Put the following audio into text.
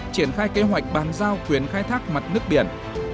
triển khai kế hoạch bàn giao quyền khai thác mặt nước biển